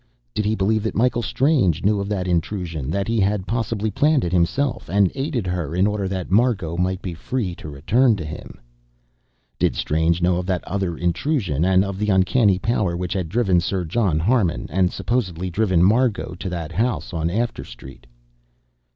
Did he believe that Michael Strange knew of that intrusion that he had possibly planned it himself, and aided her, in order that Margot might be free to return to him? Did Strange know of that other intrusion, and of the uncanny power which had driven Sir John Harmon, and supposedly driven Margot to that house on After Street?